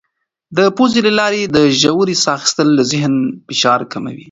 د پوزې له لارې د ژورې ساه اخیستل د ذهن فشار کموي.